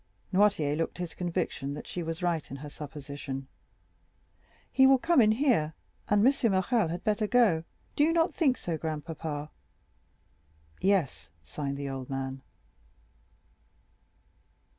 Noirtier looked his conviction that she was right in her supposition. "He will come in here, and M. Morrel had better go,—do you not think so, grandpapa?" "Yes," signed the old man.